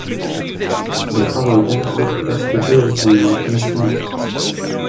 They followed that with the espadrilles brand, Miss Hamptons.